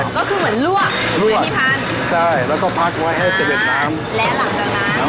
พอใครใส่นะครับโอ้ต่อใครมือเดียวจ้าเจ็ดจ้า